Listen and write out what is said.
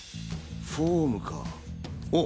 フォームかおう！